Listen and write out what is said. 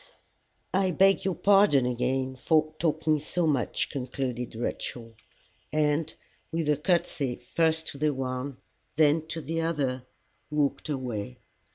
"I beg your pardon again for talking so much," concluded Rachel, and, with a courtesy first to the one then to the other, walked away.